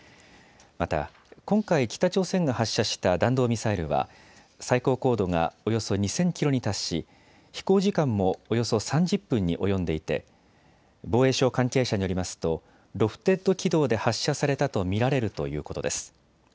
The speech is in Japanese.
また、今回北朝鮮が発射した弾道ミサイルは最高高度がおよそ２０００キロに達し、飛行時間もおよそ３０分に及んでいて防衛省関係者によりますとロフテッド軌道で発射されたと見られるということです。